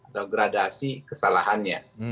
atau gradasi kesalahannya